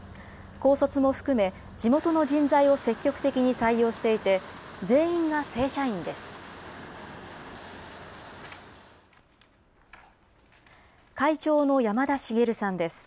高卒も含め、地元の人材を積極的に採用していて、全員が正社員です。